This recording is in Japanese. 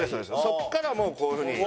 そこからはもうこういうふうに。